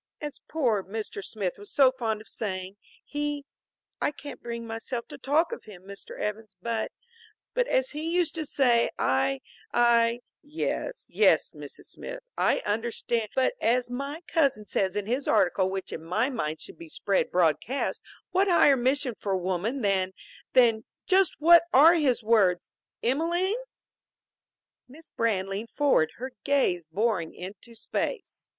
As poor dear Mr. Smith was so fond of saying, he I can't bring myself to talk of him, Mr. Evans, but but as he used to say, I I " "Yes, yes, Mrs. Smith, I understa " "But as my cousin says in his article, which in my mind should be spread broadcast, what higher mission for woman than than just what are his words, Emelene?" Miss Brand leaned forward, her gaze boring into space.